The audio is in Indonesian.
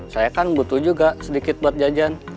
saya kan butuh juga sedikit buat jajan